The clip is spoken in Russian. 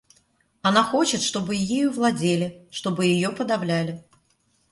Она хочет, чтобы ею владели, чтобы ее подавляли.